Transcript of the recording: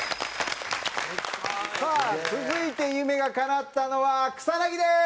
さあ続いて夢がかなったのは草薙です！